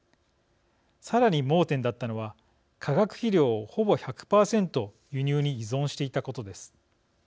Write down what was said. さらに盲点だったのは化学肥料を、ほぼ１００％輸入に依存していたことです。